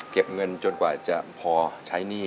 เก็บเงินจนกว่าจะพอใช้หนี้